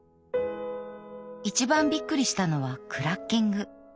一番びっくりしたのはクラッキング。